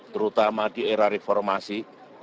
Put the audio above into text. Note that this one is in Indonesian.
terutama di era reformasi